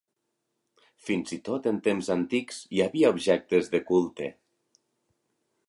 Fins i tot en temps antics hi havia objectes de culte.